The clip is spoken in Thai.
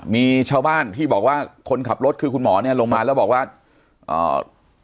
มีชาวบ้านที่บอกว่าคนขับรถคือคุณหมอเนี้ยลงมาแล้วบอกว่าอ่า